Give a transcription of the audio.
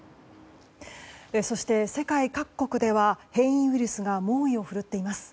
そして、世界各国では変異ウイルスが猛威を振るっています。